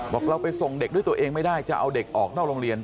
เราไปส่งเด็กด้วยตัวเองไม่ได้จะเอาเด็กออกนอกโรงเรียน